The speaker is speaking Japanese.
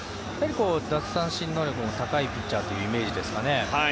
奪三振能力も高いピッチャーというイメージですかね。